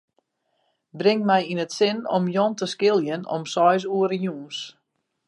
Bring my yn it sin om Jan te skiljen om seis oere jûns.